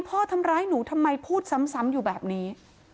พ่อทำร้ายหนูทำไมพูดซ้ำอยู่แบบนี้